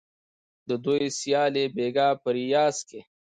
د دوی سیالي بیګا په ریاض کې